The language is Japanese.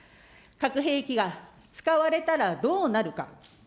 核兵器が使われたらどうなるか。